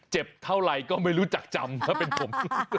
เจ็บเท่าไหร่ก็ไม่รู้จักจำถ้าเป็นผม